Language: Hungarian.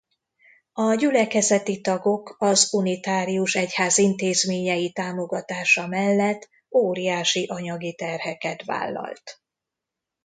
A gyülekezeti tagok az Unitárius Egyház intézményei támogatása mellett óriási anyagi terheket vállalt.